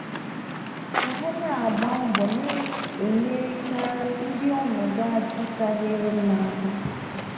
ka ha na-agba mbọ na-enyerịtara ndị ọnọdụ adịcharaghị mma aka